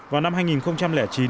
vào năm hai nghìn chín